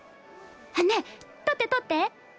ねえ撮って撮って！